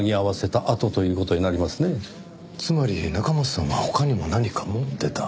つまり中松さんは他にも何か持ってた。